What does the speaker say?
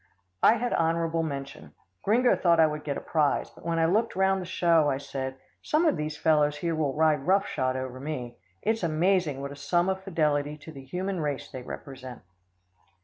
I had honourable mention. Gringo thought I would get a prize, but when I looked round the show, I said, "Some of these fellows here will ride rough shod over me. It's amazing what a sum of fidelity to the human race they represent."